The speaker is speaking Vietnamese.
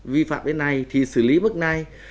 vi phạm cái này thì xử lý bức này